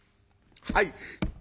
「はい。